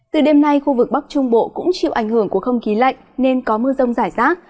từ đêm nay khu vực bắc trung bộ cũng chịu ảnh hưởng của không khí lạnh nên có mưa rông rải rác